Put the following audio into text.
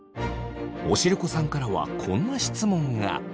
おしるこさんからはこんな質問が。